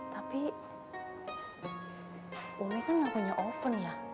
tapi umi kan yang punya oven ya